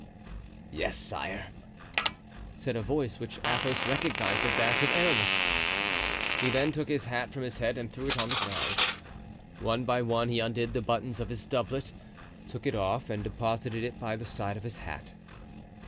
"Yes, sire," said a voice, which Athos recognized as that of Aramis. He then took his hat from his head and threw it on the ground. One by one he undid the buttons of his doublet, took it off and deposited it by the side of his hat.